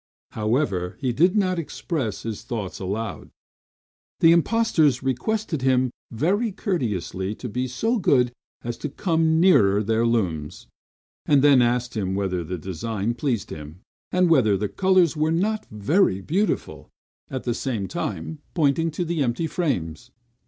However, he did not express his thoughts aloud. The impostors requested him very courteously to be so good as to come nearer their looms; and then asked him whether the design pleased him, and whether the colors were not very beautiful; at the same time pointing to the empty frames.